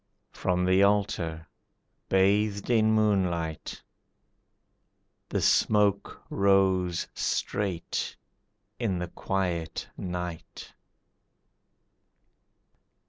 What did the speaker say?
From the altar, bathed in moonlight, The smoke rose straight in the quiet night.